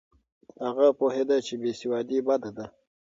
هغه پوهېده چې بې سوادي بده ده.